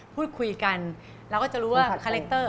พูดคุยกันเราก็จะรู้ว่าคาแรคเตอร์